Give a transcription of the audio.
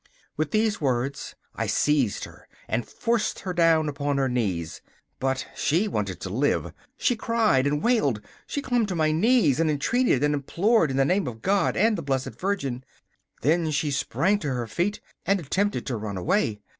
With these words, I seized her and forced her down upon her knees. But she wanted to live; she cried and wailed. She clung to my knees and entreated and implored in the name of God and the Blessed Virgin. Then she sprang to her feet and attempted to run away.